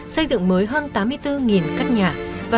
xây dựng mới hơn tám mươi bốn căn nhà